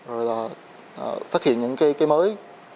rồi là phát hiện những cái mới